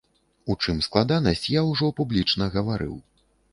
У чым складанасць, я ўжо публічна гаварыў.